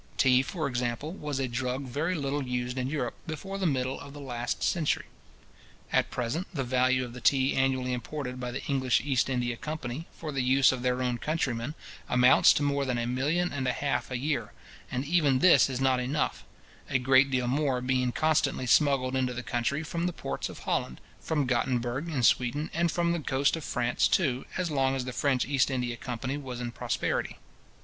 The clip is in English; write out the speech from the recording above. Tea, for example, was a drug very little used in Europe, before the middle of the last century. At present, the value of the tea annually imported by the English East India company, for the use of their own countrymen, amounts to more than a million and a half a year; and even this is not enough; a great deal more being constantly smuggled into the country from the ports of Holland, from Gottenburgh in Sweden, and from the coast of France, too, as long as the French East India company was in prosperity.